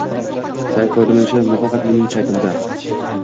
Sayt foydalanuvchilari nafaqat mening saytimda